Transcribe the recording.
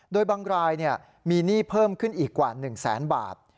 โดยบางรายมีหนี้เพิ่มขึ้นอีกกว่า๑แสนบาท